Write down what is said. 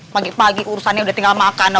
pagi pagi urusannya udah tinggal makan